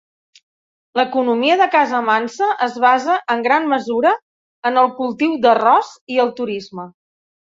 L'economia de Casamance es basa, en gran mesura, en el cultiu d'arròs i el turisme.